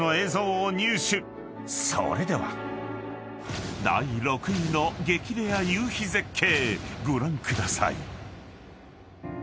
［それでは第６位の激レア夕日絶景ご覧ください］